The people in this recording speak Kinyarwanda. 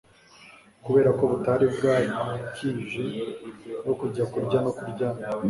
kuberako butari bwakije bwo kujya kurya no kuryama.